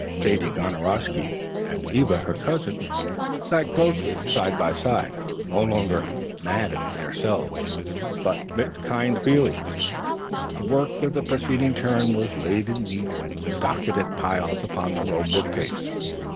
Sadie Gonorowsky and Eva, her cousin, sat closely side by side, no longer "mad on theirselves," but "mit kind feelings." The work of the preceding term was laid in neat and docketed piles upon the low book case.